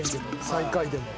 最下位でも。